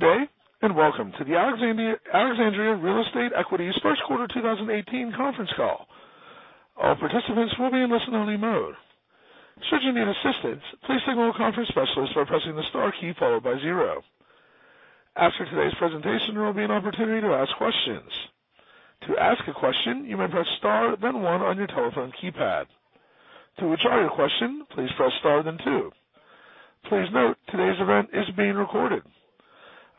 Good day, welcome to the Alexandria Real Estate Equities first quarter 2018 conference call. All participants will be in listen-only mode. Should you need assistance, please signal a conference specialist by pressing the star key followed by 0. After today's presentation, there will be an opportunity to ask questions. To ask a question, you may press star, then 1 on your telephone keypad. To withdraw your question, please press star, then 2. Please note, today's event is being recorded.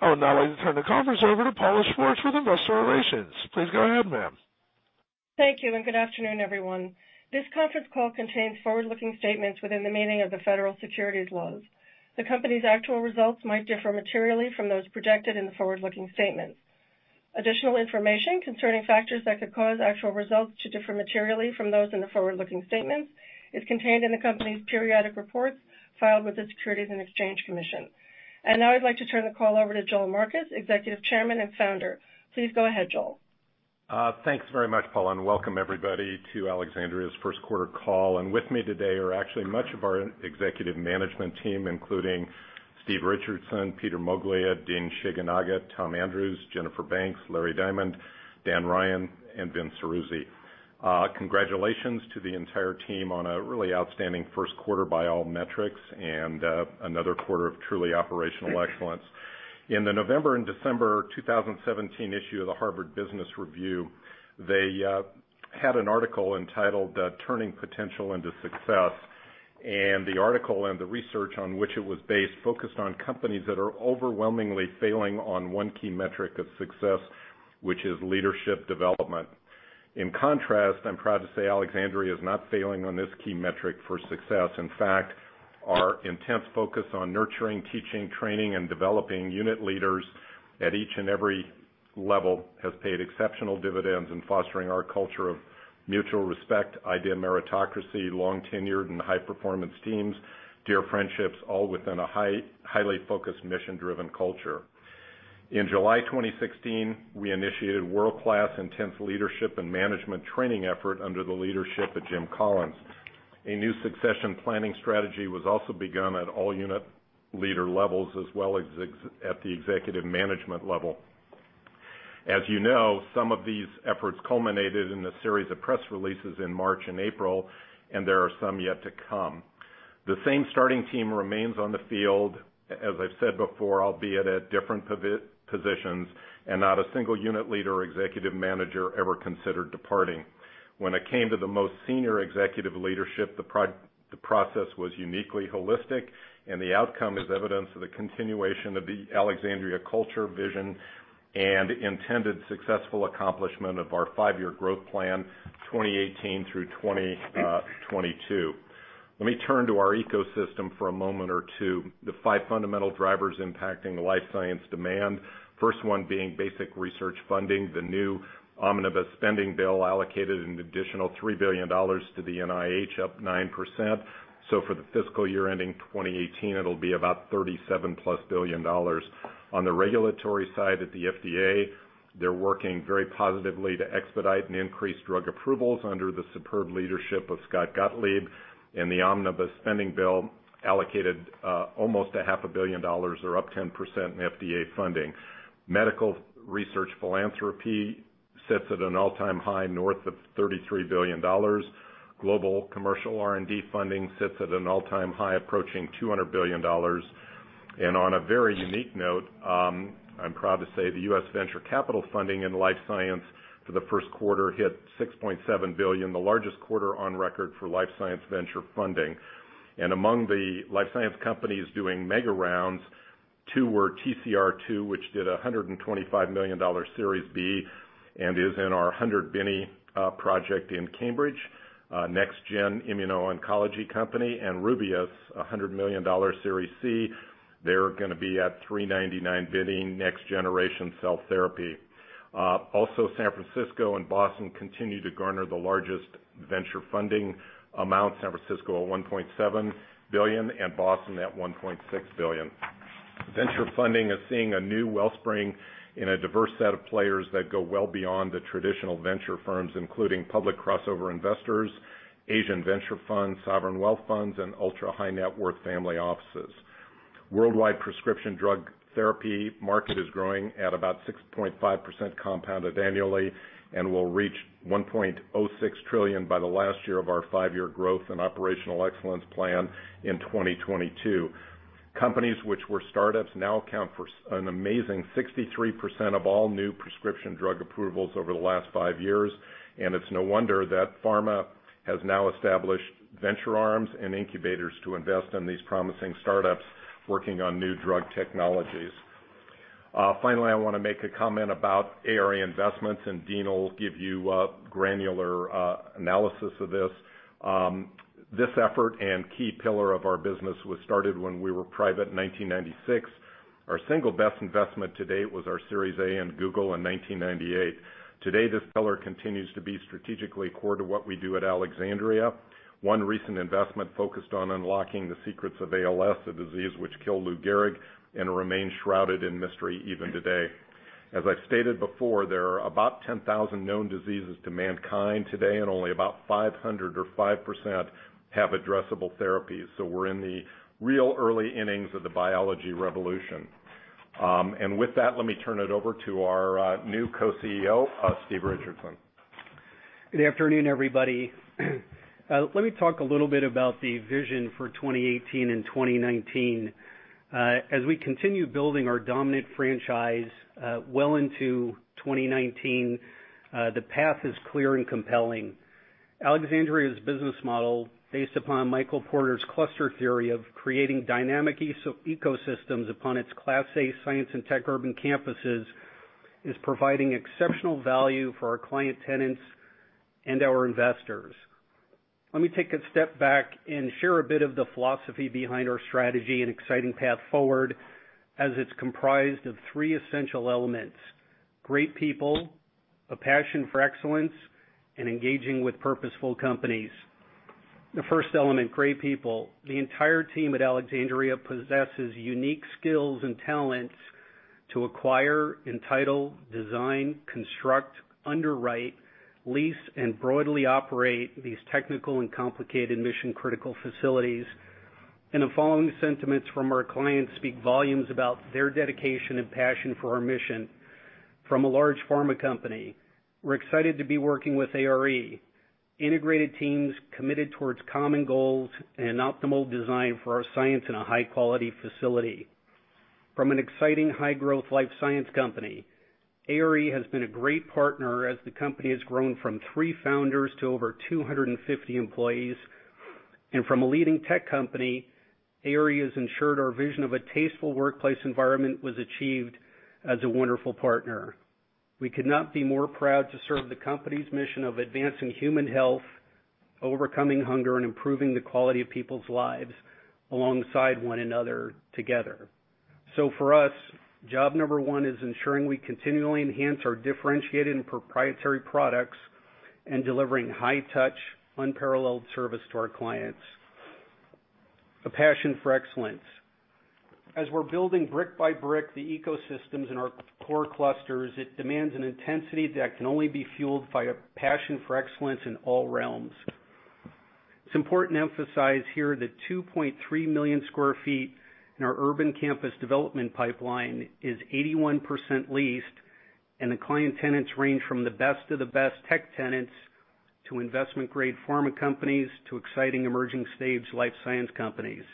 I would now like to turn the conference over to Paula Schwartz with Investor Relations. Please go ahead, ma'am. Thank you, good afternoon, everyone. This conference call contains forward-looking statements within the meaning of the federal securities laws. The company's actual results might differ materially from those projected in the forward-looking statements. Additional information concerning factors that could cause actual results to differ materially from those in the forward-looking statements is contained in the company's periodic reports filed with the Securities and Exchange Commission. Now I'd like to turn the call over to Joel Marcus, Executive Chairman and Founder. Please go ahead, Joel. Thanks very much, Paula, welcome everybody to Alexandria's first quarter call. With me today are actually much of our executive management team, including Steve Richardson, Peter Moglia, Dean Shigenaga, Tom Andrews, Jennifer Banks, Larry Diamond, Dan Ryan, and Vince Ceruzzi. Congratulations to the entire team on a really outstanding first quarter by all metrics, and another quarter of truly operational excellence. In the November and December 2017 issue of the Harvard Business Review, they had an article entitled, "Turning Potential into Success." The article and the research on which it was based focused on companies that are overwhelmingly failing on one key metric of success, which is leadership development. In contrast, I'm proud to say Alexandria is not failing on this key metric for success. In fact, our intense focus on nurturing, teaching, training, and developing unit leaders at each and every level has paid exceptional dividends in fostering our culture of mutual respect, idea meritocracy, long-tenured and high-performance teams, dear friendships, all within a highly focused, mission-driven culture. In July 2016, we initiated world-class intense leadership and management training effort under the leadership of Jim Collins. A new succession planning strategy was also begun at all unit leader levels, as well as at the executive management level. As you know, some of these efforts culminated in a series of press releases in March and April, and there are some yet to come. The same starting team remains on the field, as I've said before, albeit at different positions, and not a single unit leader or executive manager ever considered departing. When it came to the most senior executive leadership, the process was uniquely holistic, and the outcome is evidence of the continuation of the Alexandria culture, vision, and intended successful accomplishment of our five-year growth plan, 2018 through 2022. Let me turn to our ecosystem for a moment or two. The five fundamental drivers impacting the life science demand, first one being basic research funding, the new omnibus spending bill allocated an additional $3 billion to the NIH, up 9%. For the fiscal year ending 2018, it'll be about $37-plus billion. On the regulatory side at the FDA, they're working very positively to expedite and increase drug approvals under the superb leadership of Scott Gottlieb. The omnibus spending bill allocated almost a half a billion dollars, or up 10% in FDA funding. Medical research philanthropy sits at an all-time high north of $33 billion. Global commercial R&D funding sits at an all-time high, approaching $200 billion. On a very unique note, I'm proud to say the U.S. venture capital funding in life science for the first quarter hit $6.7 billion, the largest quarter on record for life science venture funding. Among the life science companies doing mega rounds, two were TCR2, which did $125 million Series B, and is in our 100 Binney project in Cambridge. NextGen immuno-oncology company, Rubius, $100 million Series C, they're going to be at 399 Binney next generation cell therapy. San Francisco and Boston continue to garner the largest venture funding amounts, San Francisco at $1.7 billion, and Boston at $1.6 billion. Venture funding is seeing a new wellspring in a diverse set of players that go well beyond the traditional venture firms, including public crossover investors, Asian venture funds, sovereign wealth funds, and ultra-high net worth family offices. Worldwide prescription drug therapy market is growing at about 6.5% compounded annually and will reach $1.06 trillion by the last year of our five-year growth and operational excellence plan in 2022. Companies which were startups now account for an amazing 63% of all new prescription drug approvals over the last five years, and it's no wonder that pharma has now established venture arms and incubators to invest in these promising startups working on new drug technologies. I want to make a comment about ARE investments, and Dean will give you a granular analysis of this. This effort and key pillar of our business was started when we were private in 1996. Our single best investment to date was our Series A in Google in 1998. Today, this pillar continues to be strategically core to what we do at Alexandria. One recent investment focused on unlocking the secrets of ALS, a disease which killed Lou Gehrig and remains shrouded in mystery even today. As I've stated before, there are about 10,000 known diseases to mankind today, and only about 500 or 5% have addressable therapies. We're in the real early innings of the biology revolution. With that, let me turn it over to our new Co-CEO, Steve Richardson. Good afternoon, everybody. Let me talk a little bit about the vision for 2018 and 2019. As we continue building our dominant franchise well into 2019, the path is clear and compelling. Alexandria's business model, based upon Michael Porter's Cluster Theory of creating dynamic ecosystems upon its Class A science and tech urban campuses, is providing exceptional value for our client tenants and our investors. Let me take a step back and share a bit of the philosophy behind our strategy and exciting path forward as it's comprised of three essential elements: great people, a passion for excellence, and engaging with purposeful companies. The first element, great people. The entire team at Alexandria possesses unique skills and talents to acquire, entitle, design, construct, underwrite, lease, and broadly operate these technical and complicated mission-critical facilities. The following sentiments from our clients speak volumes about their dedication and passion for our mission. From a large pharma company, "We're excited to be working with ARE. Integrated teams committed towards common goals and optimal design for our science in a high-quality facility." From an exciting high-growth life science company, "ARE has been a great partner as the company has grown from three founders to over 250 employees." From a leading tech company, "ARE has ensured our vision of a tasteful workplace environment was achieved as a wonderful partner." We could not be more proud to serve the company's mission of advancing human health, overcoming hunger, and improving the quality of people's lives alongside one another together. For us, job number 1 is ensuring we continually enhance our differentiated and proprietary products and delivering high touch, unparalleled service to our clients. A passion for excellence. As we're building brick by brick the ecosystems in our core clusters, it demands an intensity that can only be fueled by a passion for excellence in all realms. It's important to emphasize here that 2.3 million sq ft in our urban campus development pipeline is 81% leased, and the client tenants range from the best of the best tech tenants to investment-grade pharma companies, to exciting emerging stage life science companies.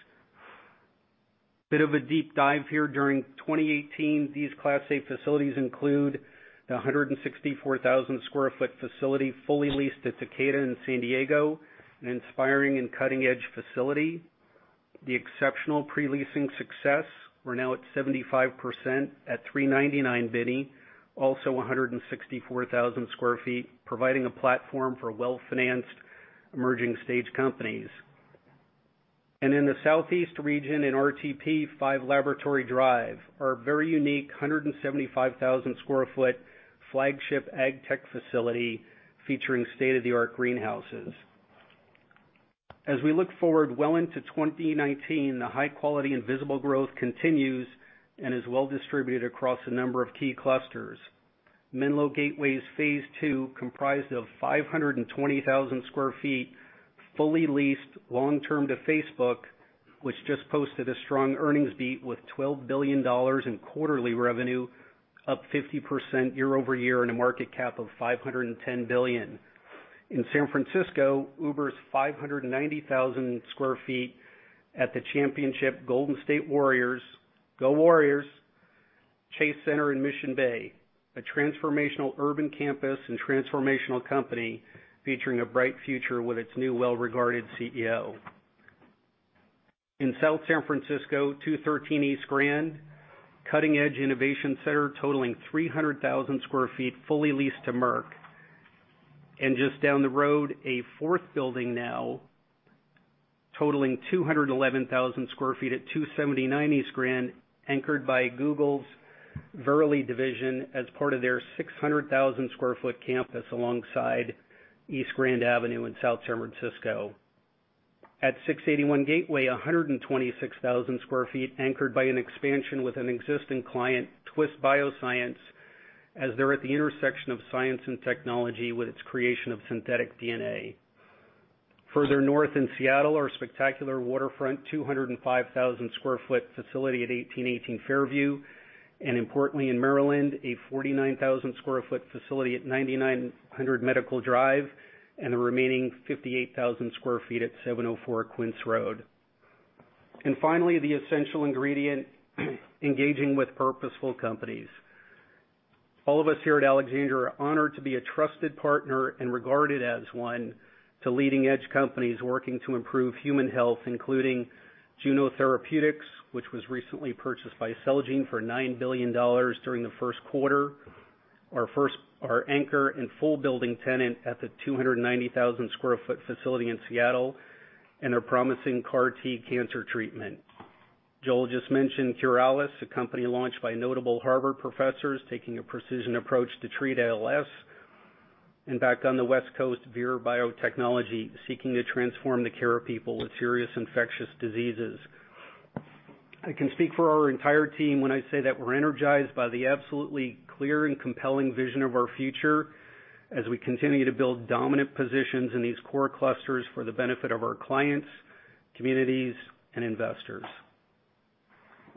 Bit of a deep dive here. During 2018, these Class A facilities include the 164,000 sq ft facility fully leased at Takeda in San Diego, an inspiring and cutting-edge facility. The exceptional pre-leasing success, we're now at 75% at 399 Binney, also 164,000 sq ft, providing a platform for well-financed emerging stage companies. In the Southeast region in RTP, 5 Laboratory Drive, our very unique 175,000 sq ft flagship ag tech facility featuring state-of-the-art greenhouses. As we look forward well into 2019, the high quality and visible growth continues and is well distributed across a number of key clusters. Menlo Gateway's phase 2, comprised of 520,000 sq ft, fully leased long-term to Facebook, which just posted a strong earnings beat with $12 billion in quarterly revenue, up 50% year-over-year, and a market cap of $510 billion. In San Francisco, Uber's 590,000 sq ft at the championship Golden State Warriors, go Warriors, Chase Center in Mission Bay, a transformational urban campus and transformational company featuring a bright future with its new well-regarded CEO. In South San Francisco, 213 East Grand, cutting edge innovation center totaling 300,000 sq ft, fully leased to Merck. Just down the road, a fourth building now totaling 211,000 sq ft at 279 East Grand, anchored by Google's Verily division as part of their 600,000 sq ft campus alongside East Grand Avenue in San Francisco. At 681 Gateway, 126,000 sq ft anchored by an expansion with an existing client, Twist Bioscience, as they're at the intersection of science and technology with its creation of synthetic DNA. Further north in Seattle, our spectacular waterfront 205,000 sq ft facility at 1818 Fairview. Importantly in Maryland, a 49,000 sq ft facility at 9900 Medical Center Drive, and the remaining 58,000 sq ft at 704 Quince Orchard Road. Finally, the essential ingredient, engaging with purposeful companies. All of us here at Alexandria are honored to be a trusted partner and regarded as one to leading edge companies working to improve human health, including Juno Therapeutics, which was recently purchased by Celgene for $9 billion during the first quarter. Our anchor and full building tenant at the 290,000 sq ft facility in Seattle, and their promising CAR T cancer treatment. Joel just mentioned QurAlis, a company launched by notable Harvard professors taking a precision approach to treat ALS. Back on the West Coast, Vir Biotechnology seeking to transform the care of people with serious infectious diseases. I can speak for our entire team when I say that we're energized by the absolutely clear and compelling vision of our future as we continue to build dominant positions in these core clusters for the benefit of our clients, communities, and investors.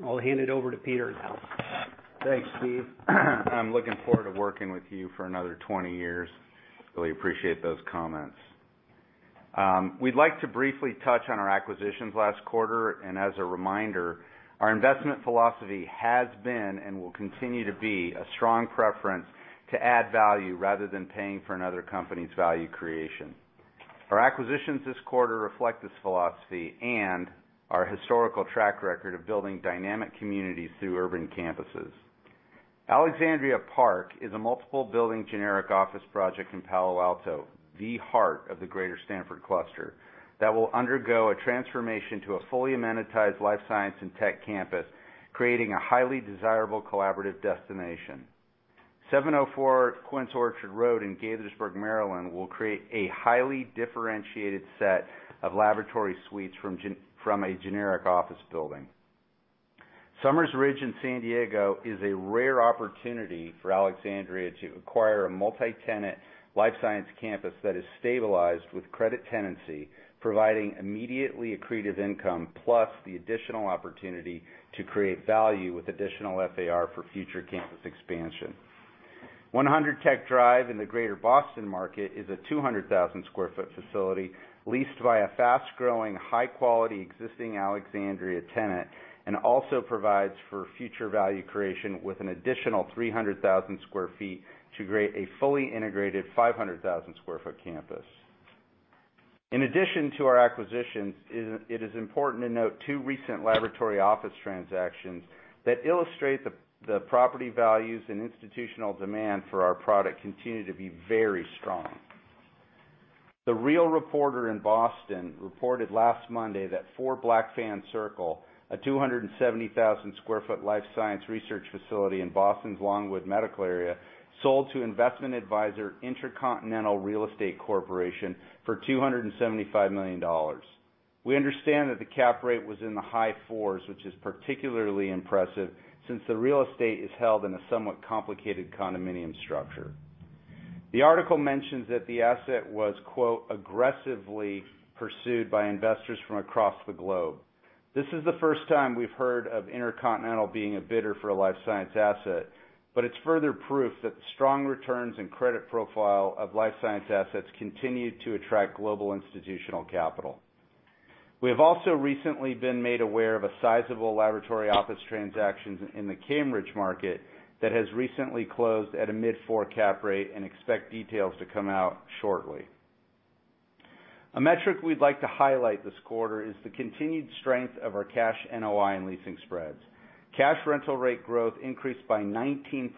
I'll hand it over to Peter now. Thanks, Steve. I'm looking forward to working with you for another 20 years. Really appreciate those comments. We'd like to briefly touch on our acquisitions last quarter. As a reminder, our investment philosophy has been and will continue to be a strong preference to add value rather than paying for another company's value creation. Our acquisitions this quarter reflect this philosophy and our historical track record of building dynamic communities through urban campuses. Alexandria Park is a multiple building generic office project in Palo Alto, the heart of the greater Stanford cluster, that will undergo a transformation to a fully amenitized life science and tech campus, creating a highly desirable collaborative destination. 704 Quince Orchard Road in Gaithersburg, Maryland will create a highly differentiated set of laboratory suites from a generic office building. Summers Ridge in San Diego is a rare opportunity for Alexandria to acquire a multi-tenant life science campus that is stabilized with credit tenancy, providing immediately accretive income, plus the additional opportunity to create value with additional FAR for future campus expansion. 100 Tech Drive in the greater Boston market is a 200,000 sq ft facility leased by a fast-growing, high quality existing Alexandria tenant, and also provides for future value creation with an additional 300,000 sq ft to create a fully integrated 500,000 sq ft campus. In addition to our acquisitions, it is important to note two recent laboratory office transactions that illustrate the property values and institutional demand for our product continue to be very strong. The Real Reporter in Boston reported last Monday that 4 Blackfan Circle, a 270,000 sq ft life science research facility in Boston's Longwood Medical Area, sold to investment advisor Intercontinental Real Estate Corporation for $275 million. We understand that the cap rate was in the high fours, which is particularly impressive since the real estate is held in a somewhat complicated condominium structure. The article mentions that the asset was, quote, "Aggressively pursued by investors from across the globe." This is the first time we've heard of Intercontinental being a bidder for a life science asset, but it's further proof that the strong returns and credit profile of life science assets continue to attract global institutional capital. We have also recently been made aware of a sizable laboratory office transactions in the Cambridge market that has recently closed at a mid four cap rate and expect details to come out shortly. A metric we'd like to highlight this quarter is the continued strength of our cash NOI and leasing spreads. Cash rental rate growth increased by 19%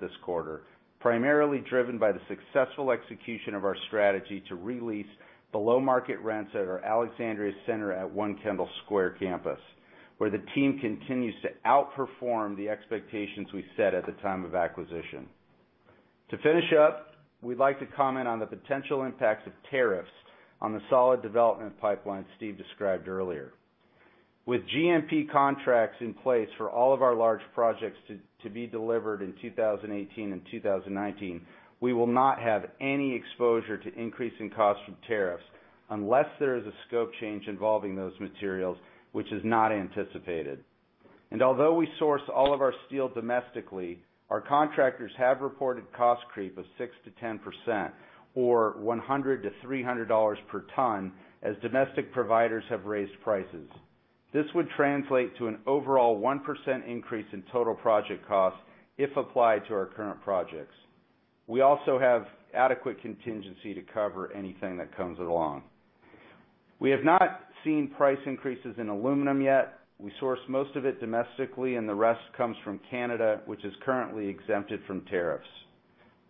this quarter, primarily driven by the successful execution of our strategy to re-lease below-market rents at our Alexandria Center at One Kendall Square campus, where the team continues to outperform the expectations we set at the time of acquisition. To finish up, we'd like to comment on the potential impacts of tariffs on the solid development pipeline Steve described earlier. With GMP contracts in place for all of our large projects to be delivered in 2018 and 2019, we will not have any exposure to increasing costs from tariffs unless there is a scope change involving those materials, which is not anticipated. Although we source all of our steel domestically, our contractors have reported cost creep of 6%-10%, or $100 to $300 per ton as domestic providers have raised prices. This would translate to an overall 1% increase in total project costs if applied to our current projects. We also have adequate contingency to cover anything that comes along. We have not seen price increases in aluminum yet. We source most of it domestically, and the rest comes from Canada, which is currently exempted from tariffs.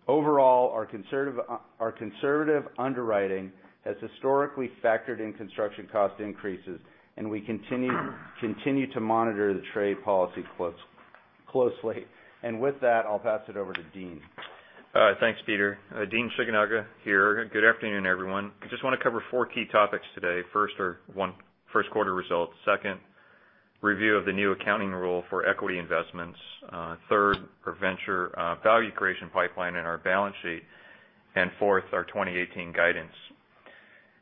Overall, our conservative underwriting has historically factored in construction cost increases, and we continue to monitor the trade policy closely. With that, I'll pass it over to Dean. All right. Thanks, Peter. Dean Shigenaga here. Good afternoon, everyone. I just want to cover four key topics today. First, our first quarter results. Second, review of the new accounting rule for equity investments. Third, our venture value creation pipeline and our balance sheet. Fourth, our 2018 guidance.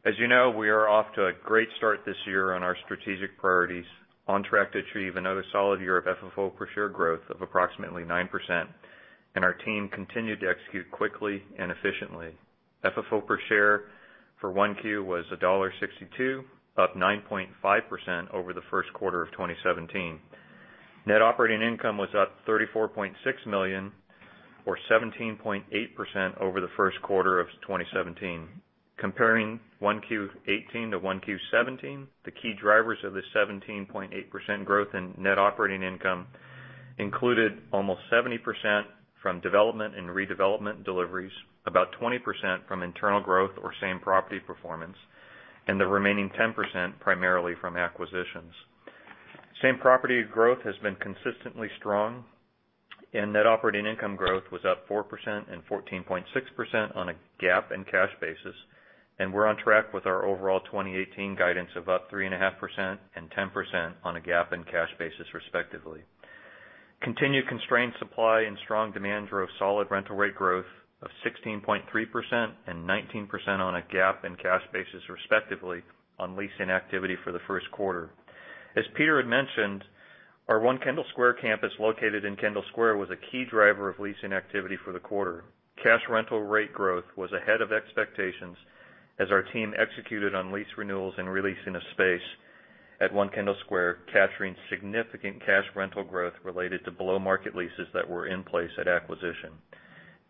As you know, we are off to a great start this year on our strategic priorities, on track to achieve another solid year of FFO per share growth of approximately 9%, and our team continued to execute quickly and efficiently. FFO per share for 1Q was $1.62, up 9.5% over the first quarter of 2017. Net operating income was up $34.6 million or 17.8% over the first quarter of 2017. Comparing 1Q 2018 to 1Q 2017, the key drivers of the 17.8% growth in net operating income included almost 70% from development and redevelopment deliveries, about 20% from internal growth or same property performance, and the remaining 10% primarily from acquisitions. Same-property growth has been consistently strong, net operating income growth was up 4% and 14.6% on a GAAP and cash basis. We're on track with our overall 2018 guidance of up 3.5% and 10% on a GAAP and cash basis, respectively. Continued constrained supply and strong demand drove solid rental rate growth of 16.3% and 19% on a GAAP and cash basis, respectively, on leasing activity for the first quarter. As Peter had mentioned, our One Kendall Square campus, located in Kendall Square, was a key driver of leasing activity for the quarter. Cash rental rate growth was ahead of expectations as our team executed on lease renewals and re-leasing of space at One Kendall Square, capturing significant cash rental growth related to below-market leases that were in place at acquisition.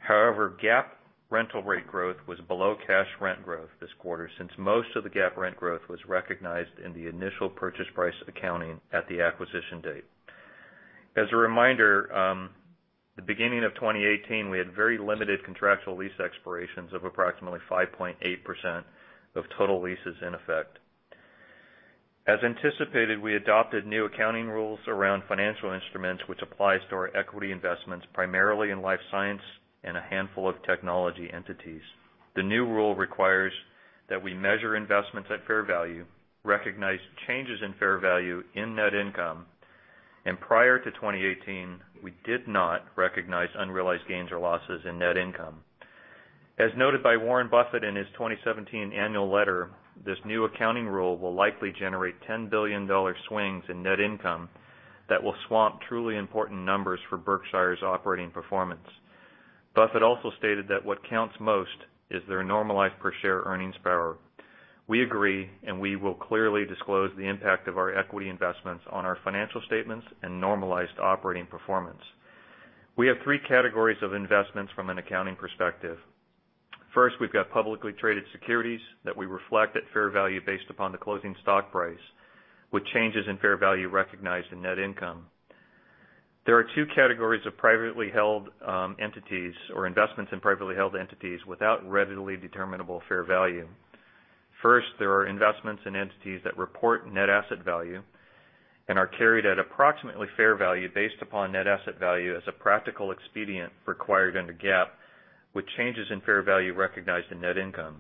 However, GAAP rental rate growth was below cash rent growth this quarter, since most of the GAAP rent growth was recognized in the initial purchase price accounting at the acquisition date. As a reminder, the beginning of 2018, we had very limited contractual lease expirations of approximately 5.8% of total leases in effect. As anticipated, we adopted new accounting rules around financial instruments, which applies to our equity investments, primarily in life science and a handful of technology entities. The new rule requires that we measure investments at fair value, recognize changes in fair value in net income. Prior to 2018, we did not recognize unrealized gains or losses in net income. As noted by Warren Buffett in his 2017 annual letter, this new accounting rule will likely generate $10 billion swings in net income that will swamp truly important numbers for Berkshire's operating performance. Buffett also stated that what counts most is their normalized per-share earnings power. We agree, and we will clearly disclose the impact of our equity investments on our financial statements and normalized operating performance. We have 3 categories of investments from an accounting perspective. First, we've got publicly traded securities that we reflect at fair value based upon the closing stock price, with changes in fair value recognized in net income. There are 2 categories of privately held entities, or investments in privately held entities, without readily determinable fair value. First, there are investments in entities that report net asset value and are carried at approximately fair value based upon net asset value as a practical expedient required under GAAP, with changes in fair value recognized in net income.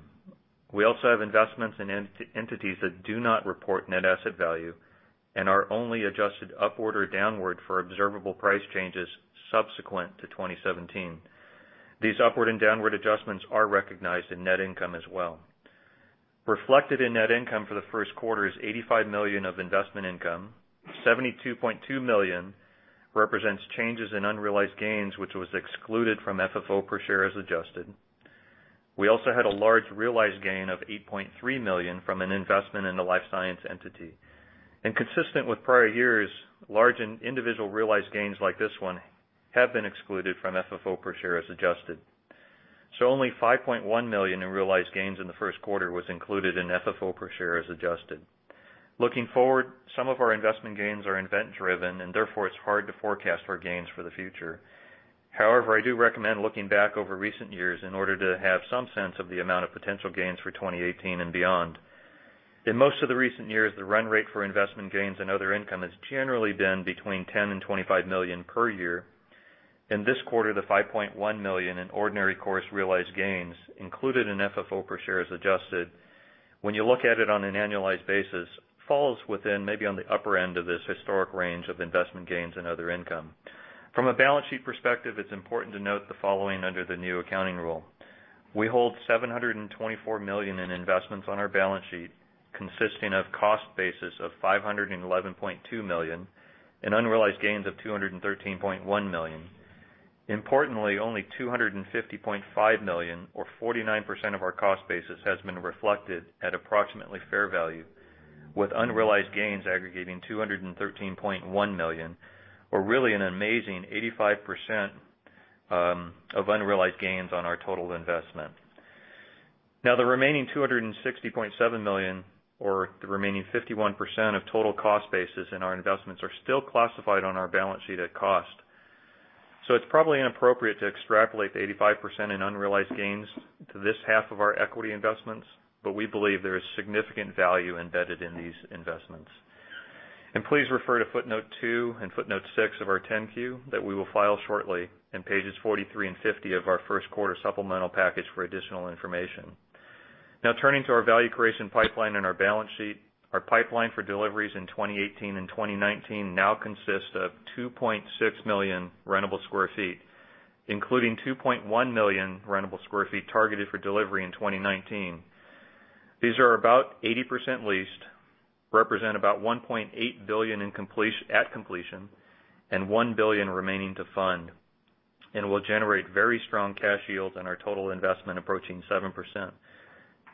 We also have investments in entities that do not report net asset value and are only adjusted upward or downward for observable price changes subsequent to 2017. These upward and downward adjustments are recognized in net income as well. Reflected in net income for the first quarter is $85 million of investment income. $72.2 million represents changes in unrealized gains, which was excluded from FFO per share as adjusted. We also had a large realized gain of $8.3 million from an investment in the life science entity. Consistent with prior years, large individual realized gains like this one have been excluded from FFO per share as adjusted. Only $5.1 million in realized gains in the first quarter was included in FFO per share as adjusted. Looking forward, some of our investment gains are event-driven, and therefore, it's hard to forecast our gains for the future. However, I do recommend looking back over recent years in order to have some sense of the amount of potential gains for 2018 and beyond. In most of the recent years, the run rate for investment gains and other income has generally been between $10 million and $25 million per year. In this quarter, the $5.1 million in ordinary course realized gains included in FFO per share as adjusted, when you look at it on an annualized basis, falls within maybe on the upper end of this historic range of investment gains and other income. From a balance sheet perspective, it's important to note the following under the new accounting rule. We hold $724 million in investments on our balance sheet, consisting of cost basis of $511.2 million and unrealized gains of $213.1 million. Importantly, only $250.5 million, or 49% of our cost basis, has been reflected at approximately fair value, with unrealized gains aggregating $213.1 million, or really an amazing 85% of unrealized gains on our total investment. The remaining $260.7 million, or the remaining 51% of total cost basis in our investments, are still classified on our balance sheet at cost. It's probably inappropriate to extrapolate the 85% in unrealized gains to this half of our equity investments, but we believe there is significant value embedded in these investments. Please refer to footnote two and footnote six of our 10-Q that we will file shortly, and pages 43 and 50 of our first quarter supplemental package for additional information. Turning to our value creation pipeline and our balance sheet. Our pipeline for deliveries in 2018 and 2019 now consists of 2.6 million rentable square feet, including 2.1 million rentable square feet targeted for delivery in 2019. These are about 80% leased, represent about $1.8 billion at completion, and $1 billion remaining to fund, and will generate very strong cash yields on our total investment approaching 7%.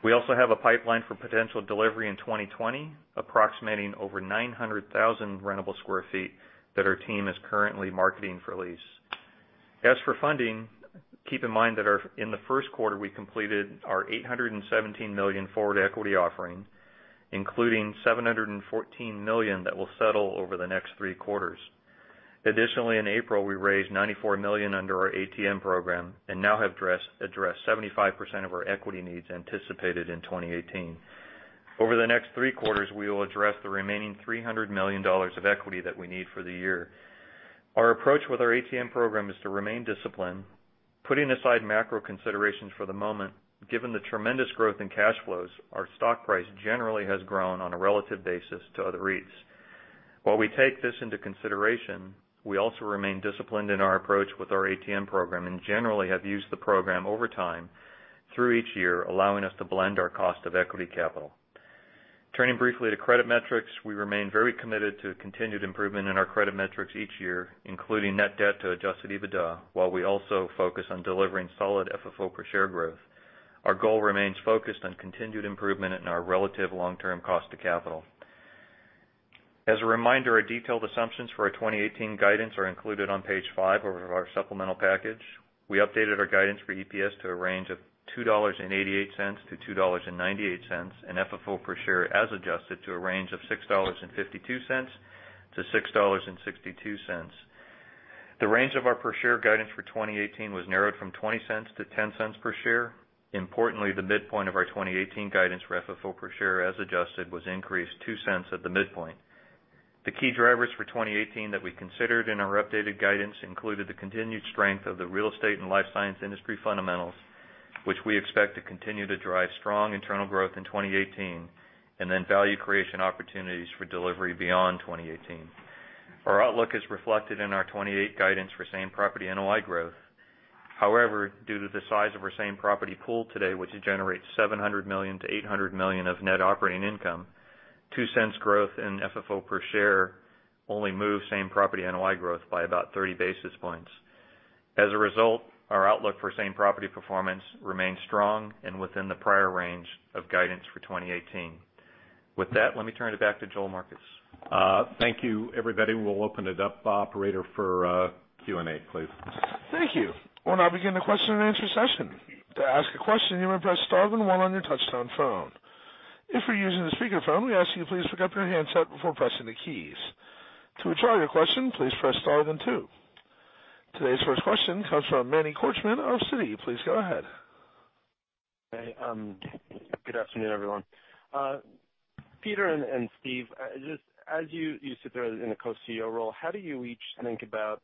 We also have a pipeline for potential delivery in 2020, approximating over 900,000 rentable square feet that our team is currently marketing for lease. As for funding, keep in mind that in the first quarter, we completed our $817 million forward equity offering, including $714 million that will settle over the next three quarters. Additionally, in April, we raised $94 million under our ATM program and now have addressed 75% of our equity needs anticipated in 2018. Over the next three quarters, we will address the remaining $300 million of equity that we need for the year. Our approach with our ATM program is to remain disciplined. Putting aside macro considerations for the moment, given the tremendous growth in cash flows, our stock price generally has grown on a relative basis to other REITs. While we take this into consideration, we also remain disciplined in our approach with our ATM program, and generally have used the program over time through each year, allowing us to blend our cost of equity capital. Turning briefly to credit metrics. We remain very committed to continued improvement in our credit metrics each year, including net debt to adjusted EBITDA, while we also focus on delivering solid FFO per share growth. Our goal remains focused on continued improvement in our relative long-term cost of capital. As a reminder, our detailed assumptions for our 2018 guidance are included on page five of our supplemental package. We updated our guidance for EPS to a range of $2.88-$2.98, and FFO per share as adjusted, to a range of $6.52-$6.62. The range of our per share guidance for 2018 was narrowed from $0.20 to $0.10 per share. Importantly, the midpoint of our 2018 guidance for FFO per share as adjusted, was increased $0.02 at the midpoint. The key drivers for 2018 that we considered in our updated guidance included the continued strength of the real estate and life science industry fundamentals, which we expect to continue to drive strong internal growth in 2018, and value creation opportunities for delivery beyond 2018. Our outlook is reflected in our 2018 guidance for same-property NOI growth. However, due to the size of our same-property pool today, which generates $700 million-$800 million of net operating income, $0.02 growth in FFO per share only move same-property NOI growth by about 30 basis points. As a result, our outlook for same-property performance remains strong and within the prior range of guidance for 2018. With that, let me turn it back to Joel Marcus. Thank you, everybody. We'll open it up, operator, for Q&A, please. Thank you. We'll now begin the question and answer session. To ask a question, you may press star then one on your touchtone phone. If you're using the speaker phone, we ask you please pick up your handset before pressing the keys. To withdraw your question, please press star then two. Today's first question comes from Manny Korchman of Citi. Please go ahead. Hey, good afternoon, everyone. Peter and Steve, just as you sit there in the Co-CEO role, how do you each think about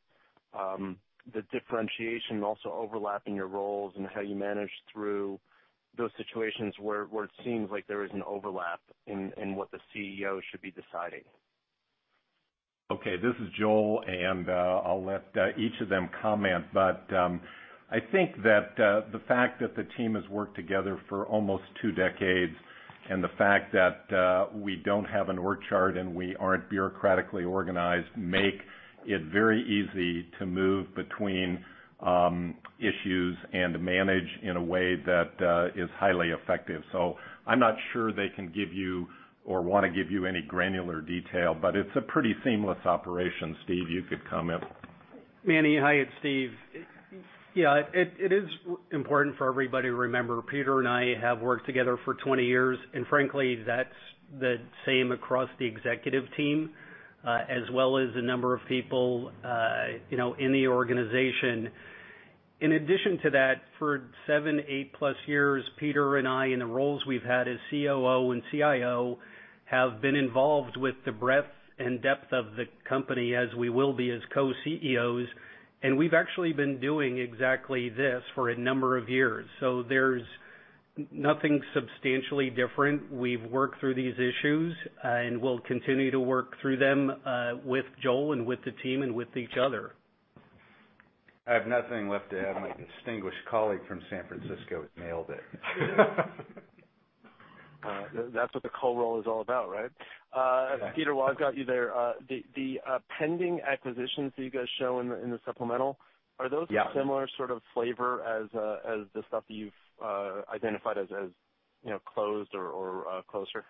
the differentiation, also overlap in your roles, and how you manage through those situations where it seems like there is an overlap in what the CEO should be deciding? Okay. This is Joel. I'll let each of them comment. I think that the fact that the team has worked together for almost two decades, the fact that we don't have an org chart and we aren't bureaucratically organized, make it very easy to move between issues and manage in a way that is highly effective. I'm not sure they can give you or want to give you any granular detail, it's a pretty seamless operation. Steve, you could comment. Manny. Hi, it's Steve. It is important for everybody to remember, Peter and I have worked together for 20 years, and frankly, that's the same across the executive team, as well as a number of people in the organization. In addition to that, for seven, eight plus years, Peter and I, in the roles we've had as COO and CIO, have been involved with the breadth and depth of the company as we will be as co-CEOs, and we've actually been doing exactly this for a number of years. There's nothing substantially different. We've worked through these issues, and we'll continue to work through them, with Joel and with the team and with each other. I have nothing left to add. My distinguished colleague from San Francisco has nailed it. That's what the co-role is all about, right? Yeah. Peter, while I've got you there, the pending acquisitions that you guys show in the supplemental- Yeah Are those a similar sort of flavor as the stuff that you've identified as closed or closer?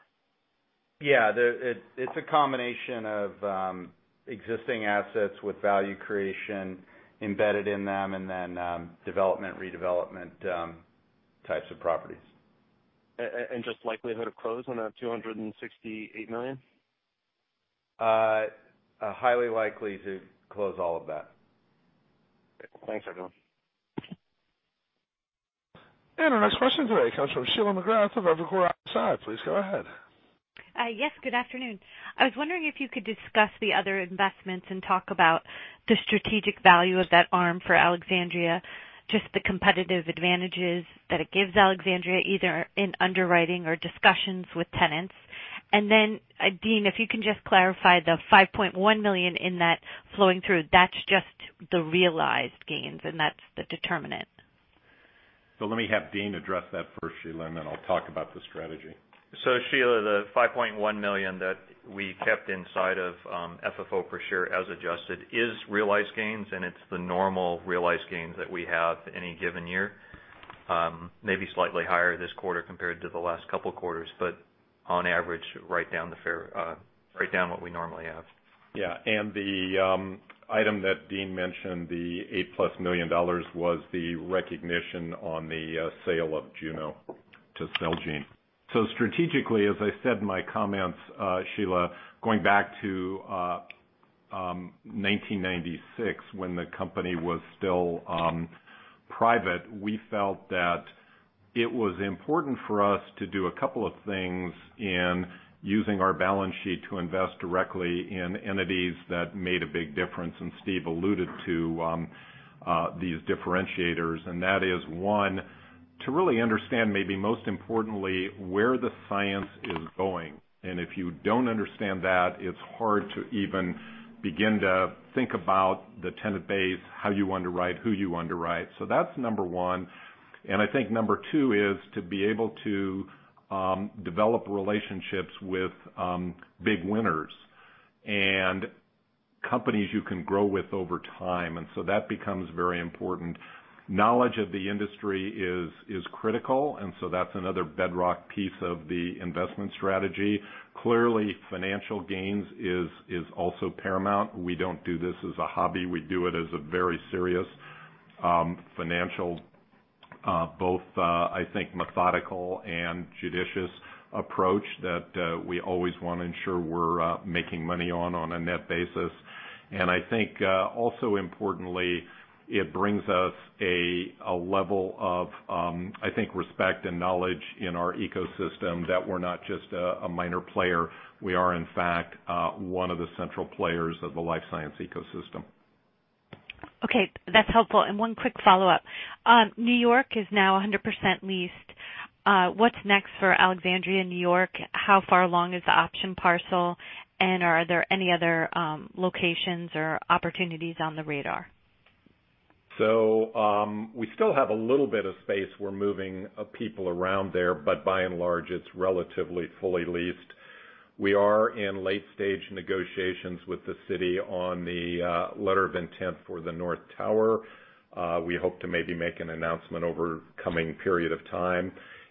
Yeah. It's a combination of existing assets with value creation embedded in them and then development, redevelopment types of properties. Just likelihood of close on that $268 million? Highly likely to close all of that. Thanks, everyone. Our next question today comes from Sheila McGrath of Evercore ISI. Please go ahead. Yes, good afternoon. I was wondering if you could discuss the other investments and talk about the strategic value of that arm for Alexandria, just the competitive advantages that it gives Alexandria, either in underwriting or discussions with tenants. Then Dean, if you can just clarify the $5.1 million in that flowing through, that's just the realized gains and that's the determinant. Let me have Dean address that first, Sheila, and then I'll talk about the strategy. Sheila, the $5.1 million that we kept inside of FFO per share as adjusted, is realized gains. It's the normal realized gains that we have any given year. Maybe slightly higher this quarter compared to the last couple of quarters, but on average, right down what we normally have. Yeah. The item that Dean mentioned, the $8+ million, was the recognition on the sale of Juno to Celgene. Strategically, as I said in my comments, Sheila, going back to 1996 when the company was still private, we felt that it was important for us to do a couple of things in using our balance sheet to invest directly in entities that made a big difference, and Steve alluded to these differentiators. That is one, to really understand, maybe most importantly, where the science is going. If you don't understand that, it's hard to even begin to think about the tenant base, how you underwrite, who you underwrite. That's number one. I think number two is to be able to develop relationships with big winners and companies you can grow with over time. That becomes very important. Knowledge of the industry is critical, so that's another bedrock piece of the investment strategy. Clearly, financial gains is also paramount. We don't do this as a hobby. We do it as a very serious financial, both, I think, methodical and judicious approach that we always want to ensure we're making money on a net basis. I think also importantly, it brings us a level of respect and knowledge in our ecosystem that we're not just a minor player. We are, in fact, one of the central players of the life science ecosystem. Okay. That's helpful. One quick follow-up. New York is now 100% leased. What's next for Alexandria in New York? How far along is the option parcel? Are there any other locations or opportunities on the radar? We still have a little bit of space. We're moving people around there, but by and large, it's relatively fully leased. We are in late-stage negotiations with the city on the letter of intent for the north tower. We hope to maybe make an announcement over coming period of time.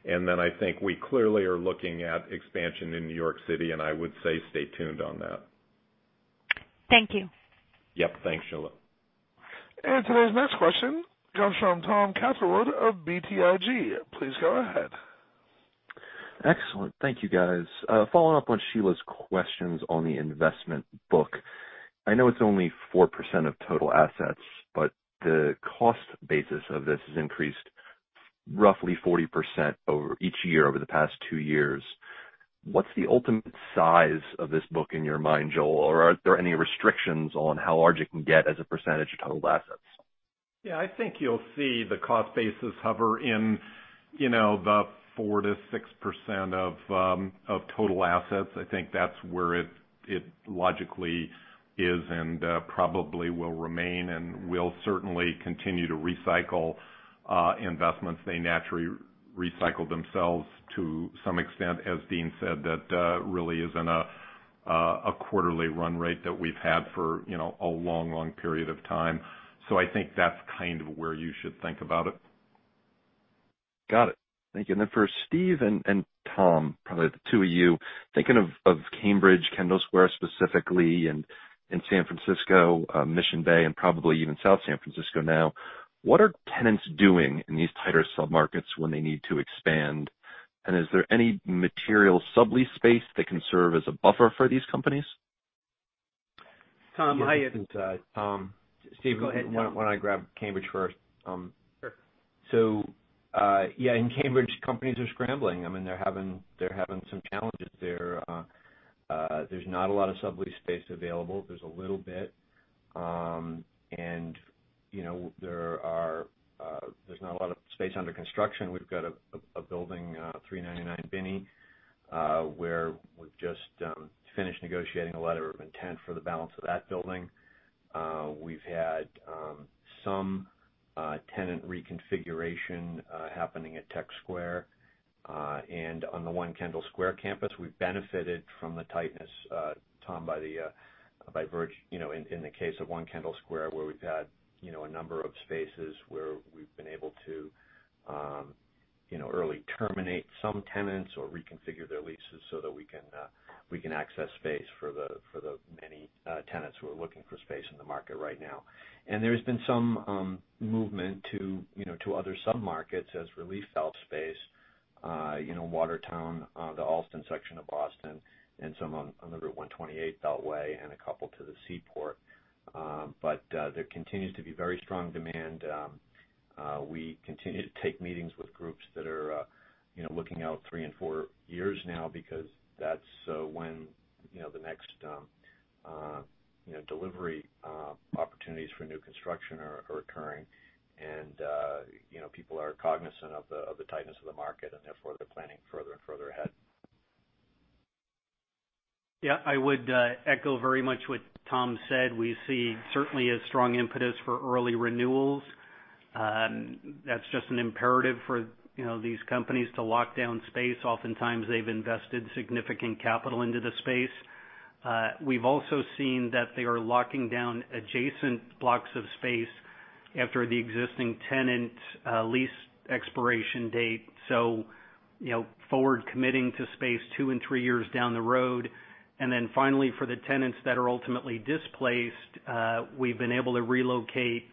I think we clearly are looking at expansion in New York City, and I would say stay tuned on that. Thank you. Yep. Thanks, Sheila. Today's next question comes from Tom Catherwood of BTIG. Please go ahead. Excellent. Thank you, guys. Following up on Sheila's questions on the investment book. I know it's only 4% of total assets, but the cost basis of this has increased roughly 40% each year over the past two years. What's the ultimate size of this book in your mind, Joel? Or are there any restrictions on how large it can get as a percentage of total assets? Yeah, I think you'll see the cost basis hover in the 4%-6% of total assets. I think that's where it logically is and probably will remain and will certainly continue to recycle investments. They naturally recycle themselves to some extent, as Dean said, that really is in a quarterly run rate that we've had for a long period of time. I think that's kind of where you should think about it. Got it. Thank you. Then for Steve and Tom, probably the two of you, thinking of Cambridge, Kendall Square specifically, and San Francisco, Mission Bay, and probably even South San Francisco now, what are tenants doing in these tighter sub-markets when they need to expand? Is there any material sublease space that can serve as a buffer for these companies? Tom, Yeah, this is Tom. Steve, go ahead. Why don't I grab Cambridge first? Sure. Yeah, in Cambridge, companies are scrambling. They're having some challenges there. There's not a lot of sublease space available. There's a little bit. There's not a lot of space under construction. We've got a building, 399 Binney, where we've just finished negotiating a letter of intent for the balance of that building. We've had some tenant reconfiguration happening at Tech Square. On the One Kendall Square campus, we've benefited from the tightness, Tom, in the case of One Kendall Square, where we've had a number of spaces where we've been able to early terminate some tenants or reconfigure their leases so that we can access space for the many tenants who are looking for space in the market right now. There's been some movement to other sub-markets as [released belt space], Watertown, the Allston section of Boston, and a couple to the Seaport. There continues to be very strong demand. We continue to take meetings with groups that are looking out three and four years now because that's when the next delivery opportunities for new construction are occurring. People are cognizant of the tightness of the market, and therefore, they're planning further and further ahead. Yeah, I would echo very much what Tom said. We see certainly a strong impetus for early renewals. That's just an imperative for these companies to lock down space. Oftentimes, they've invested significant capital into the space. We've also seen that they are locking down adjacent blocks of space after the existing tenant lease expiration date. Forward committing to space two and three years down the road. Finally, for the tenants that are ultimately displaced, we've been able to relocate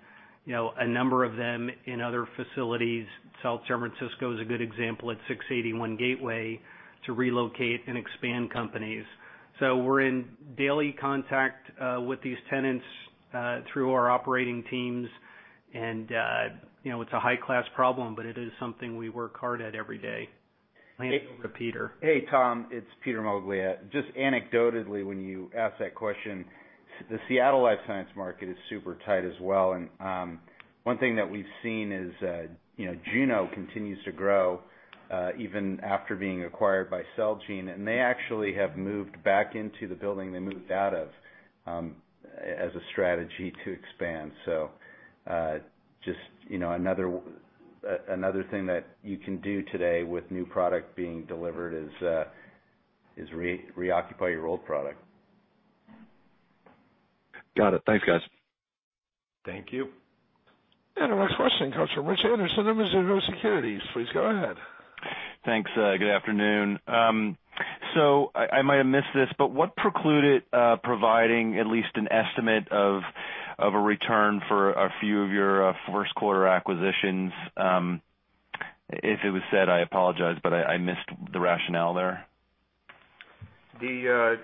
a number of them in other facilities. South San Francisco is a good example at 681 Gateway to relocate and expand companies. We're in daily contact with these tenants through our operating teams, and it's a high-class problem, but it is something we work hard at every day. Hey- Over to Peter. Hey, Tom. It's Peter Moglia. Just anecdotally, when you ask that question, the Seattle life science market is super tight as well. One thing that we've seen is Juno continues to grow even after being acquired by Celgene, and they actually have moved back into the building they moved out of as a strategy to expand. Just another thing that you can do today with new product being delivered is reoccupy your old product. Got it. Thanks, guys. Thank you. Our next question comes from Rich Anderson of Mizuho Securities. Please go ahead. Thanks. Good afternoon. I might have missed this, what precluded providing at least an estimate of a return for a few of your first quarter acquisitions? If it was said, I apologize, I missed the rationale there. The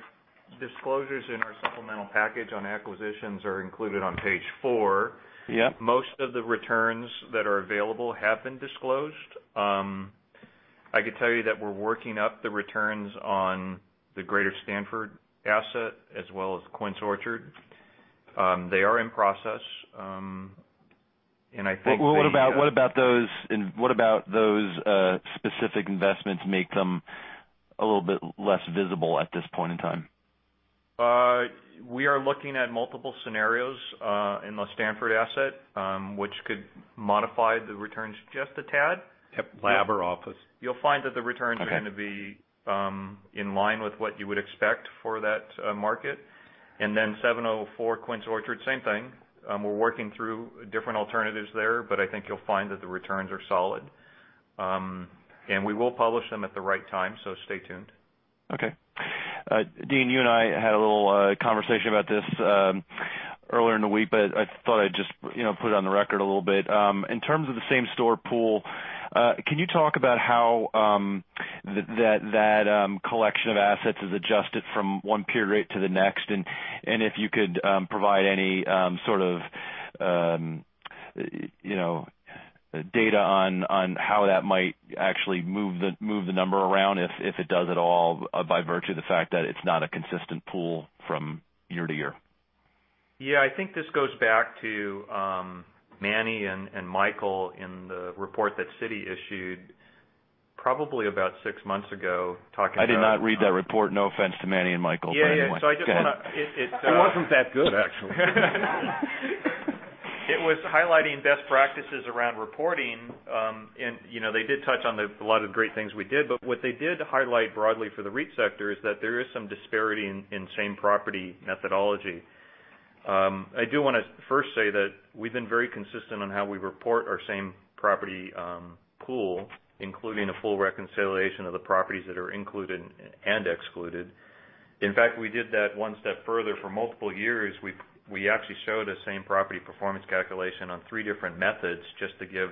disclosures in our supplemental package on acquisitions are included on page four. Yeah. Most of the returns that are available have been disclosed. I could tell you that we're working up the returns on the Greater Stanford asset as well as Quince Orchard. They are in process. What about those specific investments make them a little bit less visible at this point in time? We are looking at multiple scenarios in the Stanford asset, which could modify the returns just a tad. Yep. Lab or office. You'll find that the returns Okay are going to be in line with what you would expect for that market. 704 Quince Orchard, same thing. We're working through different alternatives there, I think you'll find that the returns are solid. We will publish them at the right time, stay tuned. Okay. Dean, you and I had a little conversation about this earlier in the week, I thought I'd just put it on the record a little bit. In terms of the same-store pool, can you talk about how that collection of assets is adjusted from one period to the next? If you could provide any sort of data on how that might actually move the number around, if it does at all, by virtue of the fact that it's not a consistent pool from year to year. I think this goes back to Manny and Michael in the report that Citi issued probably about six months ago, talking about. I did not read that report. No offense to Manny and Michael, by the way. I just want to. Go ahead. It wasn't that good, actually. It was highlighting best practices around reporting. They did touch on a lot of great things we did, what they did highlight broadly for the REIT sector is that there is some disparity in same-property methodology. I do want to first say that we've been very consistent on how we report our same-property pool, including a full reconciliation of the properties that are included and excluded. In fact, we did that one step further for multiple years. We actually show the same-property performance calculation on three different methods just to give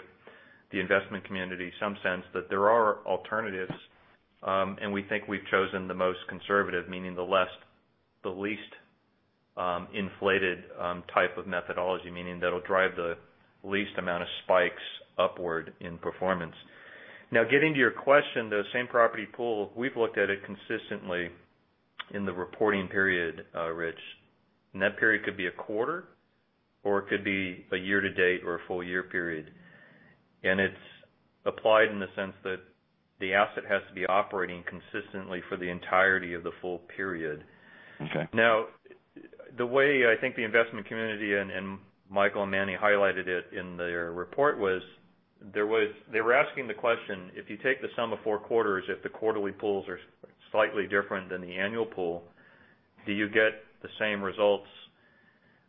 the investment community some sense that there are alternatives, and we think we've chosen the most conservative, meaning the least inflated type of methodology, meaning that'll drive the least amount of spikes upward in performance. Getting to your question, the same-property pool, we've looked at it consistently in the reporting period, Rich. That period could be a quarter, it could be a year to date or a full-year period. It's applied in the sense that the asset has to be operating consistently for the entirety of the full period. Okay. The way I think the investment community and Michael and Manny highlighted it in their report was they were asking the question, if you take the sum of four quarters, if the quarterly pools are slightly different than the annual pool, do you get the same results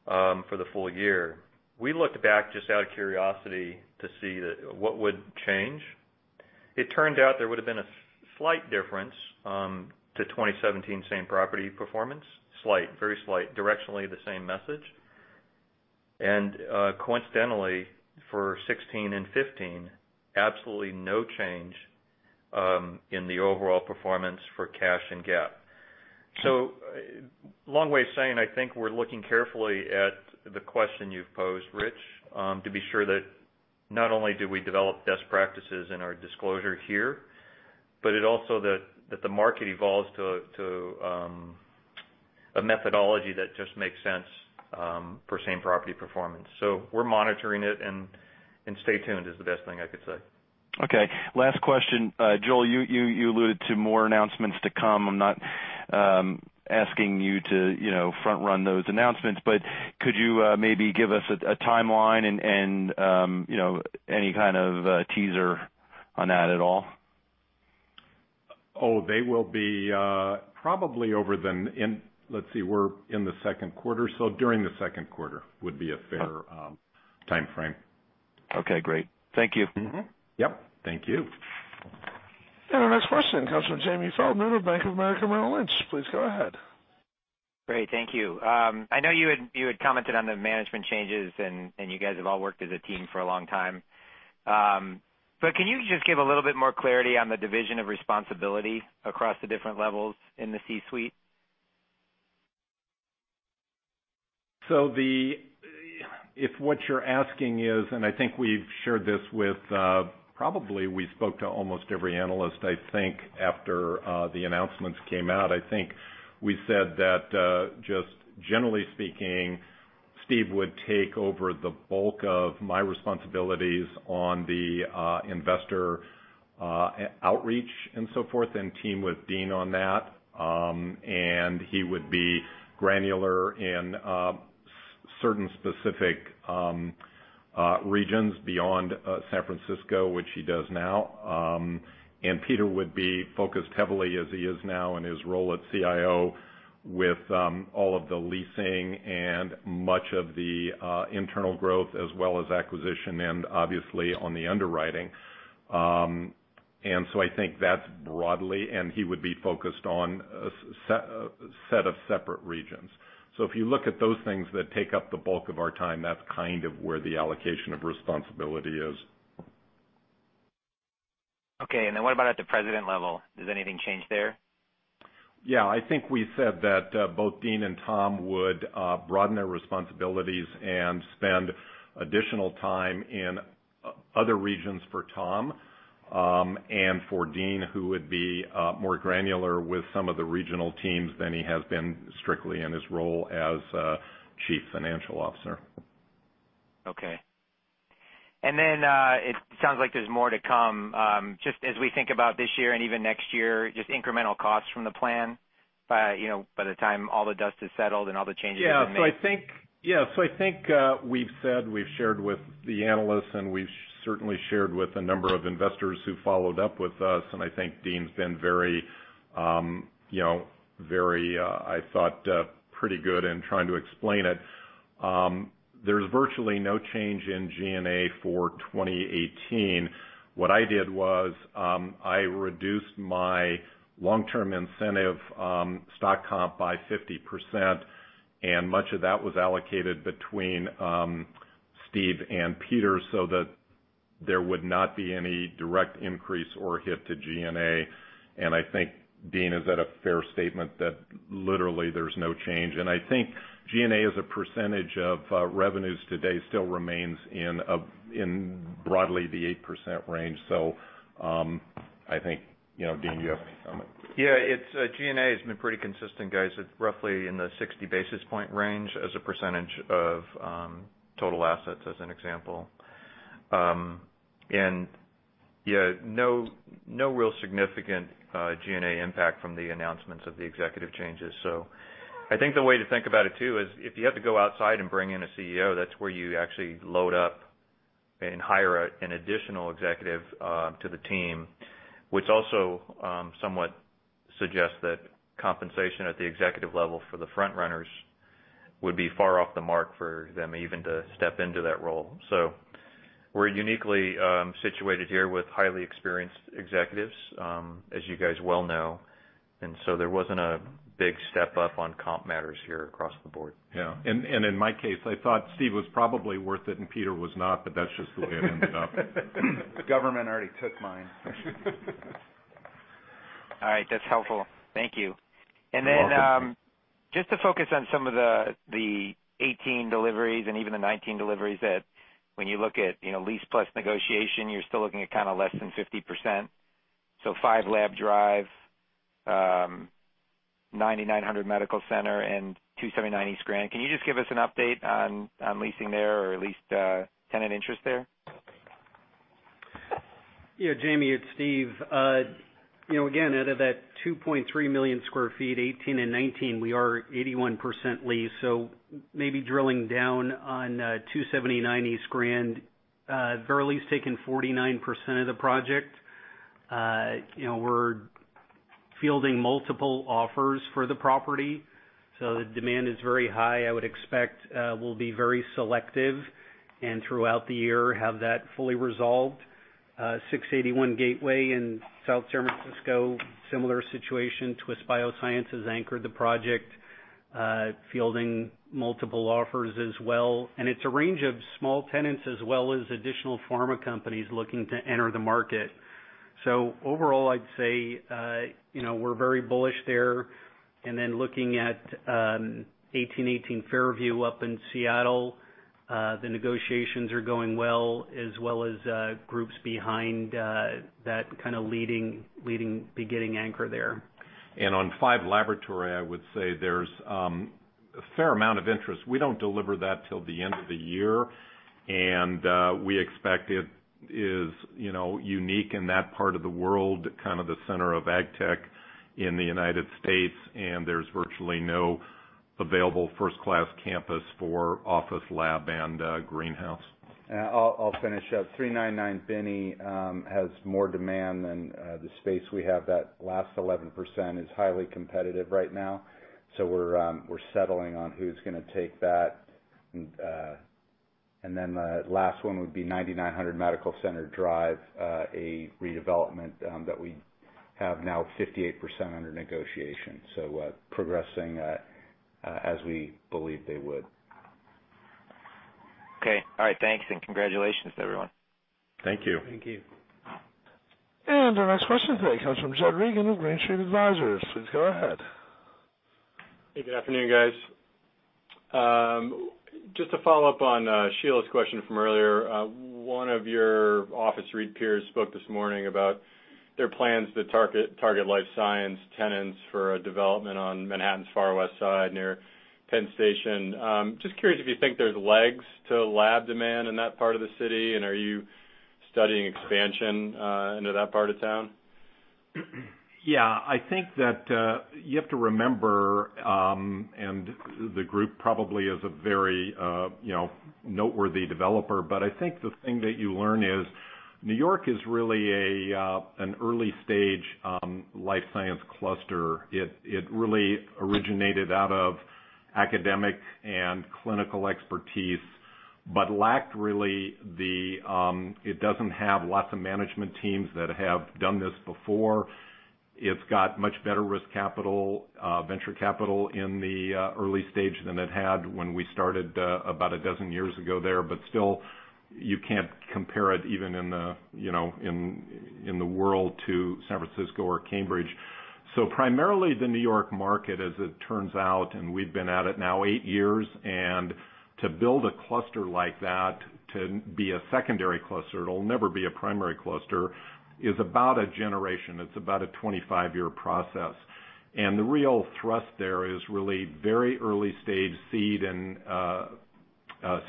for the full year? We looked back just out of curiosity to see what would change. It turned out there would've been a slight difference to 2017 same-property performance. Slight, very slight. Directionally, the same message. Coincidentally, for 2016 and 2015, absolutely no change in the overall performance for cash and GAAP. Long way of saying, I think we're looking carefully at the question you've posed, Rich, to be sure that not only do we develop best practices in our disclosure here, it also that the market evolves to a methodology that just makes sense for same-property performance. We're monitoring it, and stay tuned is the best thing I could say. Okay. Last question. Joel, you alluded to more announcements to come. I'm not asking you to front-run those announcements, but could you maybe give us a timeline and any kind of teaser on that at all? Oh, they will be probably Let's see, we're in the second quarter, so during the second quarter would be a fair timeframe. Okay, great. Thank you. Mm-hmm. Yep. Thank you. Our next question comes from Jamie Feldman of Bank of America Merrill Lynch. Please go ahead. Great. Thank you. I know you had commented on the management changes and you guys have all worked as a team for a long time. Can you just give a little bit more clarity on the division of responsibility across the different levels in the C-suite? If what you're asking is, and I think we've shared this with, probably we spoke to almost every analyst, I think, after the announcements came out. I think we said that just generally speaking, Steve would take over the bulk of my responsibilities on the investor outreach and so forth and team with Dean on that. He would be granular in certain specific regions beyond San Francisco, which he does now. Peter would be focused heavily as he is now in his role as CIO with all of the leasing and much of the internal growth as well as acquisition, and obviously on the underwriting. I think that's broadly, and he would be focused on a set of separate regions. If you look at those things that take up the bulk of our time, that's kind of where the allocation of responsibility is. Okay. What about at the president level? Does anything change there? I think we said that both Dean and Tom would broaden their responsibilities and spend additional time in other regions for Tom, and for Dean, who would be more granular with some of the regional teams than he has been strictly in his role as Chief Financial Officer. Okay. It sounds like there's more to come. Just as we think about this year and even next year, just incremental costs from the plan by the time all the dust is settled and all the changes have been made. I think we've said, we've shared with the analysts, and we've certainly shared with a number of investors who followed up with us, and I think Dean's been very, I thought, pretty good in trying to explain it. There's virtually no change in G&A for 2018. What I did was, I reduced my long-term incentive stock comp by 50%, and much of that was allocated between Steve and Peter so that there would not be any direct increase or hit to G&A. I think, Dean, is that a fair statement that literally there's no change? I think G&A as a percentage of revenues today still remains in broadly the 8% range. I think, Dean, do you have any comment? Yeah. G&A has been pretty consistent, guys. It's roughly in the 60-basis-point range as a percentage of total assets as an example. Yeah, no real significant G&A impact from the announcements of the executive changes. I think the way to think about it too is if you have to go outside and bring in a CEO, that's where you actually load up and hire an additional executive to the team, which also somewhat suggests that compensation at the executive level for the front-runners would be far off the mark for them even to step into that role. We're uniquely situated here with highly experienced executives, as you guys well know. There wasn't a big step up on comp matters here across the board. Yeah. In my case, I thought Steve was probably worth it and Peter was not, that's just the way it ended up. The government already took mine. All right. That's helpful. Thank you. You're welcome. Just to focus on some of the 2018 deliveries and even the 2019 deliveries that when you look at lease plus negotiation, you're still looking at kind of less than 50%. 5 Lab Drive, 9900 Medical Center, and 279 East Grand. Can you just give us an update on leasing there or at least tenant interest there? Yeah, Jamie, it's Steve. Again, out of that 2.3 million square feet, 2018 and 2019, we are 81% leased. Maybe drilling down on 279 East Grand, Verily has taken 49% of the project. We're fielding multiple offers for the property, so the demand is very high. I would expect we'll be very selective and throughout the year, have that fully resolved. 681 Gateway in South San Francisco, similar situation. Twist Bioscience has anchored the project. Fielding multiple offers as well. It's a range of small tenants as well as additional pharma companies looking to enter the market. Overall, I'd say we're very bullish there. Looking at 1818 Fairview up in Seattle, the negotiations are going well, as well as groups behind that kind of leading beginning anchor there. On 5 Laboratory, I would say there's a fair amount of interest. We don't deliver that till the end of the year, and we expect it is unique in that part of the world, kind of the center of ag tech in the United States, and there's virtually no available first-class campus for office lab and greenhouse. I'll finish up. 399 Binney has more demand than the space we have. That last 11% is highly competitive right now. We're settling on who's going to take that and The last one would be 9900 Medical Center Drive, a redevelopment that we have now 58% under negotiation. Progressing as we believe they would. Okay. All right. Thanks, congratulations to everyone. Thank you. Thank you. Our next question today comes from Jed Reagan of Green Street Advisors. Please go ahead. Hey, good afternoon, guys. Just to follow up on Sheila's question from earlier. One of your office REIT peers spoke this morning about their plans to target life science tenants for a development on Manhattan's far west side near Penn Station. Just curious if you think there's legs to lab demand in that part of the city, and are you studying expansion into that part of town? Yeah, I think that you have to remember, and the group probably is a very noteworthy developer, but I think the thing that you learn is New York is really an early-stage life science cluster. It really originated out of academic and clinical expertise, but it doesn't have lots of management teams that have done this before. It's got much better risk capital, venture capital in the early stage than it had when we started about a dozen years ago there. Still, you can't compare it, even in the world, to San Francisco or Cambridge. Primarily the New York market, as it turns out, and we've been at it now eight years, and to build a cluster like that to be a secondary cluster, it'll never be a primary cluster, is about a generation. It's about a 25-year process. The real thrust there is really very early-stage seed and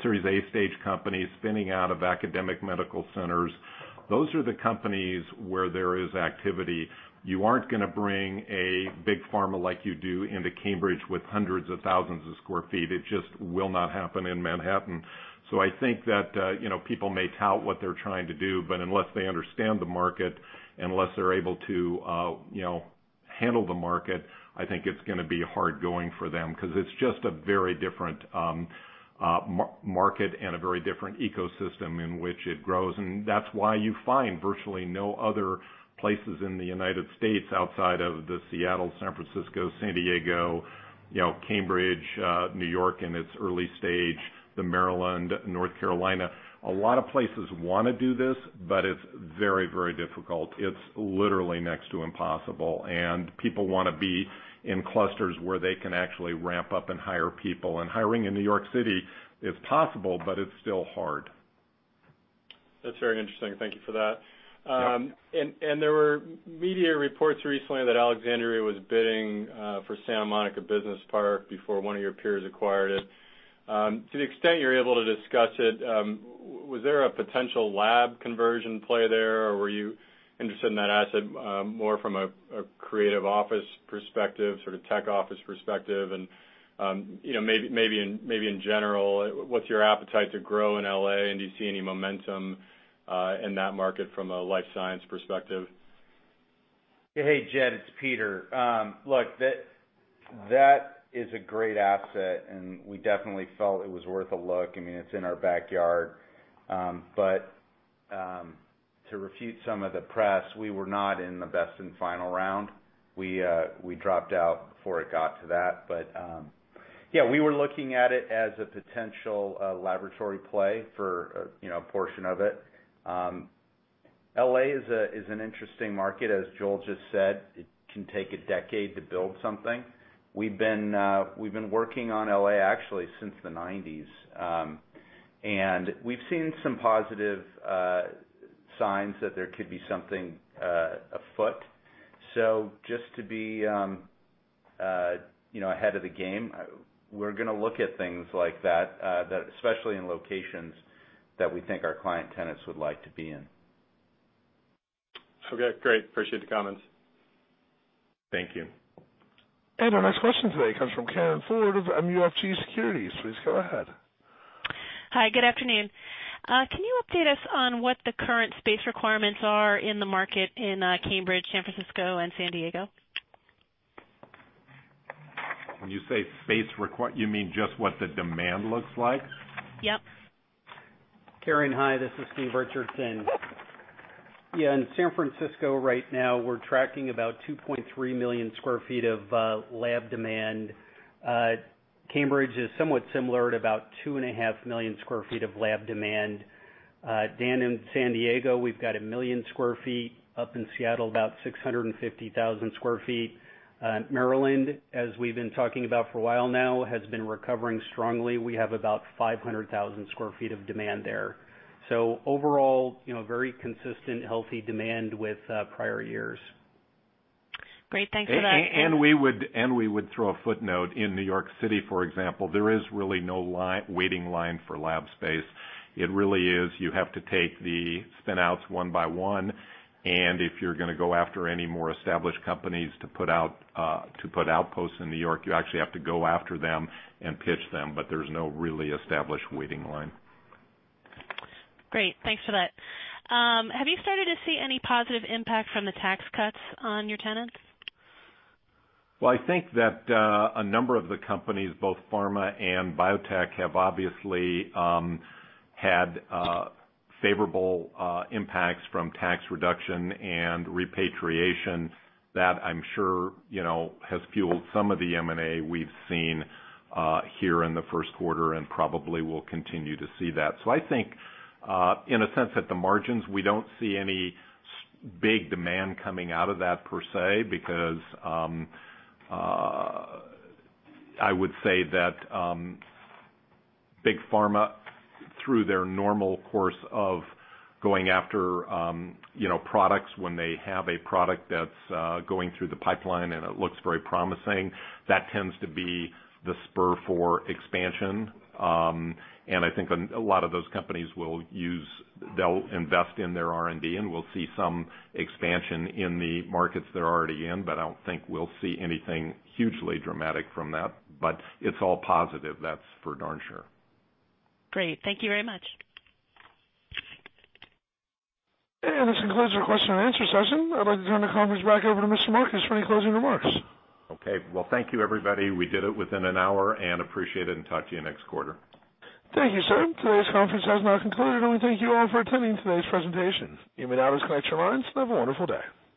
series A stage companies spinning out of academic medical centers. Those are the companies where there is activity. You aren't going to bring a big pharma like you do into Cambridge with hundreds of thousands of sq ft. It just will not happen in Manhattan. I think that people may tout what they're trying to do, but unless they understand the market, unless they're able to handle the market, I think it's going to be hard going for them, because it's just a very different market and a very different ecosystem in which it grows. That's why you find virtually no other places in the U.S. outside of the Seattle, San Francisco, San Diego, Cambridge, New York in its early stage, the Maryland, North Carolina. A lot of places want to do this, but it's very difficult. It's literally next to impossible. People want to be in clusters where they can actually ramp up and hire people. Hiring in New York City is possible, but it's still hard. That's very interesting. Thank you for that. Yeah. There were media reports recently that Alexandria was bidding for Santa Monica Business Park before one of your peers acquired it. To the extent you're able to discuss it, was there a potential lab conversion play there, or were you interested in that asset more from a creative office perspective, sort of tech office perspective, and maybe in general, what's your appetite to grow in L.A., and do you see any momentum in that market from a life science perspective? Hey, Jed, it's Peter. Look, that is a great asset, we definitely felt it was worth a look. It's in our backyard. To refute some of the press, we were not in the best and final round. We dropped out before it got to that. Yeah, we were looking at it as a potential laboratory play for a portion of it. L.A. is an interesting market, as Joel just said, it can take a decade to build something. We've been working on L.A. actually since the '90s. We've seen some positive signs that there could be something afoot. Just to be ahead of the game, we're going to look at things like that, especially in locations that we think our client tenants would like to be in. Okay, great. Appreciate the comments. Thank you. Our next question today comes from Karin Ford of MUFG Securities. Please go ahead. Hi, good afternoon. Can you update us on what the current space requirements are in the market in Cambridge, San Francisco, and San Diego? When you say space requirement, you mean just what the demand looks like? Yep. Karen, hi, this is Stephen Richardson. Yeah, in San Francisco right now, we're tracking about 2.3 million sq ft of lab demand. Cambridge is somewhat similar at about 2.5 million sq ft of lab demand. Dan, in San Diego, we've got 1 million sq ft. Up in Seattle, about 650,000 sq ft. Maryland, as we've been talking about for a while now, has been recovering strongly. We have about 500,000 sq ft of demand there. Overall, very consistent, healthy demand with prior years. Great. Thanks for that. We would throw a footnote. In New York City, for example, there is really no waiting line for lab space. It really is you have to take the spin-outs one by one, and if you're going to go after any more established companies to put outposts in New York, you actually have to go after them and pitch them, there's no really established waiting line. Great. Thanks for that. Have you started to see any positive impact from the tax cuts on your tenants? Well, I think that a number of the companies, both pharma and biotech, have obviously had favorable impacts from tax reduction and repatriation. That I'm sure has fueled some of the M&A we've seen here in the first quarter and probably will continue to see that. I think, in a sense, at the margins, we don't see any big demand coming out of that, per se, because I would say that big pharma, through their normal course of going after products when they have a product that's going through the pipeline and it looks very promising, that tends to be the spur for expansion. I think a lot of those companies will invest in their R&D, and we'll see some expansion in the markets they're already in, I don't think we'll see anything hugely dramatic from that. It's all positive, that's for darn sure. Great. Thank you very much. This concludes our question and answer session. I'd like to turn the conference back over to Mr. Marcus for any closing remarks. Okay. Well, thank you, everybody. We did it within an hour and appreciate it, and talk to you next quarter. Thank you, sir. Today's conference has now concluded, and we thank you all for attending today's presentation. You may now disconnect your lines. Have a wonderful day.